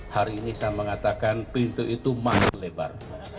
hari ini saya mengatakan pintu itu masih lebar